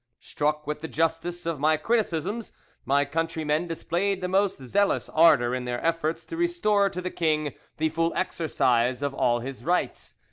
Struck with the justice of my criticisms, my countrymen displayed the most zealous ardor in their efforts to restore to the king the full exercise of all his rights.